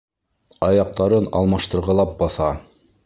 Аяҡтарын алмаштырғылап баҫа.